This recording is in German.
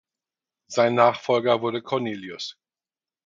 Sein Nachfolger wurde Cornelius.